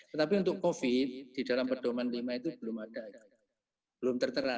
tetapi untuk covid sembilan belas di dalam pedoman v itu belum ada belum tertera